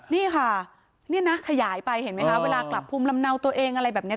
นี่ค่ะนี่นะขยายไปเห็นไหมคะเวลากลับภูมิลำเนาตัวเองอะไรแบบนี้